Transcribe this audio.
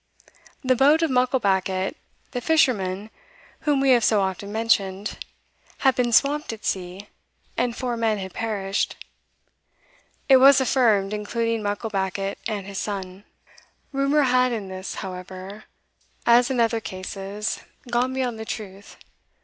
The boat of Mucklebackit, the fisherman whom we have so often mentioned, had been swamped at sea, and four men had perished, it was affirmed, including Mucklebackit and his son. Rumour had in this, however, as in other cases, gone beyond the truth.